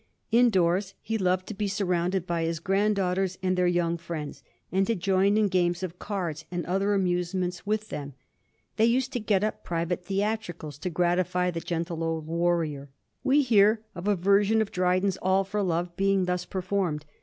Indoors he loved to be surrounded by his granddaughters and their young friends, and to join in games of cards and other amusements with them. They used to get up private theatricals to gratify the gentle old warrior. We hear of a version of Dryden's * All for Love ' being thus performed.